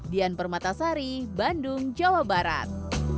dian permatasari bandung jawa barat